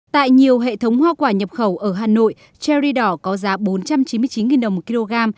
tại nhiều hệ thống hoa quả nhập khẩu ở hà nội cherry đỏ có giá bốn trăm chín mươi chín đồng một kg